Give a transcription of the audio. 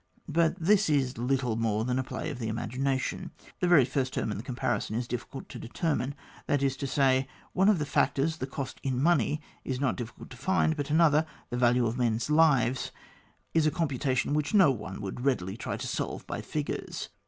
But this is little more than a play of the imagination. The very first term in the comparison is difficult to de termine, that is to say, one of the factors, the cost in money, is not difficult to find; but another, the value of men's lives, is a computation which no one would readily try to solve by figures.